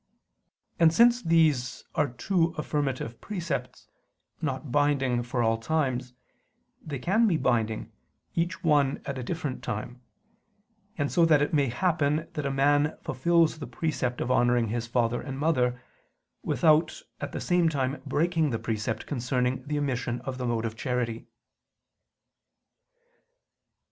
And since these are two affirmative precepts, not binding for all times, they can be binding, each one at a different time: so that it may happen that a man fulfils the precept of honoring his father and mother, without at the same time breaking the precept concerning the omission of the mode of charity.